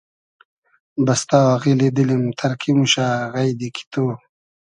بستۂ آغیلی دیلیم تئرکی موشۂ غݷدی کی تو